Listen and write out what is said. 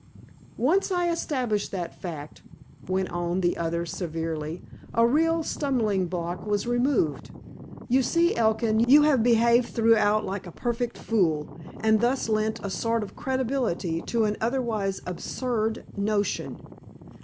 _" "Once I established that fact," went on the other severely, "a real stumbling block was removed. You see, Elkin, you have behaved throughout like a perfect fool, and thus lent a sort of credibility to an otherwise absurd notion.